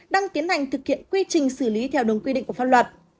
đang tiến hành thực hiện quy trình xử lý theo đúng quy định của pháp luật